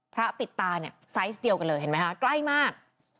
ปิดตาเนี่ยไซส์เดียวกันเลยเห็นไหมคะใกล้มาก